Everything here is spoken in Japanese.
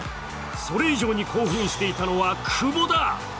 それ以上に興奮していたのは久保だ。